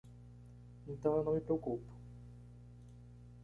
Então eu não me preocupo